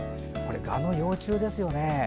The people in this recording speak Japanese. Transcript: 蛾の幼虫ですよね。